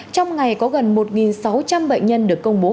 trong ngày có gần một sáu trăm linh bệnh nhân được công bố